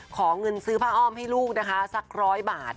ขอเงินซื้อผ้าอ้อมให้ลูกนะคะสักร้อยบาท